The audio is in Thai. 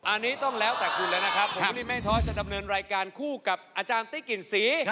อันนี้ต้องแล้วแต่คุณเลยนะครับผมวินี๊แม่นท้อยต้องจะทำเนินรายการคู่กับอาจารย์ตี้กิ่มศรี